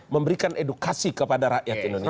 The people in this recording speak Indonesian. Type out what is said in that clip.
memberikan edukasi kepada rakyat indonesia